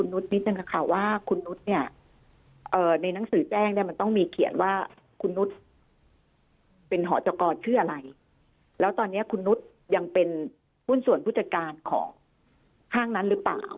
นุษย์ยังเป็นหุ้นส่วนผู้จัดการของห้างนั้นหรือเปล่า